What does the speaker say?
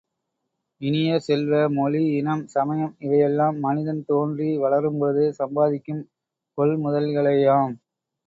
இனிய செல்வ, மொழி, இனம், சமயம் இவையெல்லாம் மனிதன் தோன்றி வளரும்பொழுது சம்பாதிக்கும் கொள்முதல்களேயாம்.